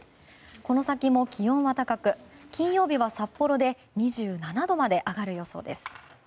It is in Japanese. この先も気温は高く金曜日は札幌で２７度まで上がる予想です。